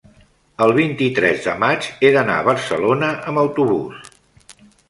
el vint-i-tres de maig he d'anar a Barcelona amb autobús.